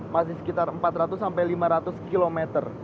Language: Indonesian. masih sekitar empat ratus sampai lima ratus km